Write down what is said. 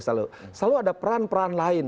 selalu ada peran peran lain